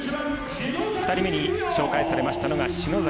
２人目に紹介されましたのが篠崎澪。